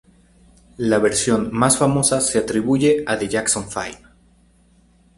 La versión más famosa se atribuye a The Jackson Five.